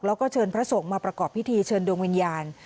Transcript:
แล้วก็เชิญพระสงฆ์มาประกอบพิธีเชิญดวงวิญญาณ